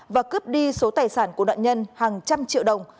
và cướp đi số tài sản của nạn nhân hàng trăm triệu đồng